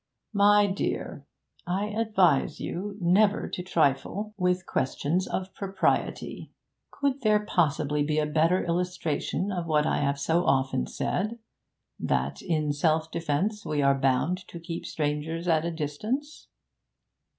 'My dear, I advise you never to trifle with questions of propriety. Could there possibly be a better illustration of what I have so often said that in self defence we are bound to keep strangers at a distance?'